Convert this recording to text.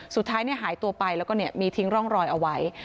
สุดท้ายหายตัวไปแล้วก็มีทิ้งร่องรอยเอาไว้